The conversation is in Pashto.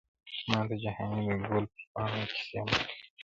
ماته جهاني د ګل پر پاڼو کیسې مه لیکه!!